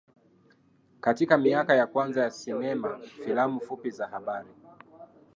Katika miaka ya kwanza ya sinema filamu fupi za habari